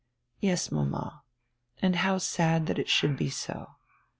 "Yes, mama, and how sad that it should be so.